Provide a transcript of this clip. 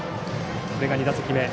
これが２打席目。